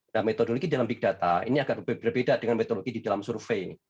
nah metodologi dalam big data ini agak berbeda dengan metodologi di dalam survei ini